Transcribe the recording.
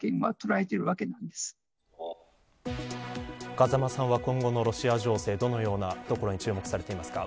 風間さんは今後のロシア情勢どのようなところに注目されていますか。